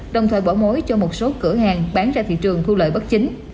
đồng thời bỏ mối cho một số cửa hàng bán ra thị trường thu lợi bất chính